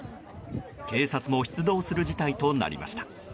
警察も出動する事態となりました。